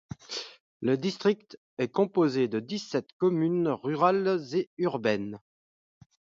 Le district est constituée de dix-sept communes rurales et urbaines.